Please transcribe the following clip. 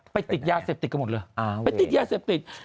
ติดยาเสพติดกันหมดเลยไปติดยาเสพติด